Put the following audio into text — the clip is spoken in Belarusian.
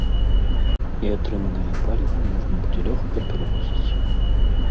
І атрыманае паліва можна будзе лёгка перавозіць.